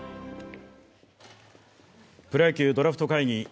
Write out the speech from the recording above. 「プロ野球ドラフト会議」